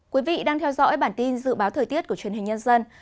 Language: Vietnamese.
quý vị đang theo dõi bản tin dự báo thời tiết của truyền hình nhân dân